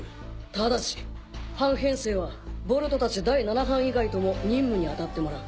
ただし班編成はボルトたち第七班以外とも任務にあたってもらう。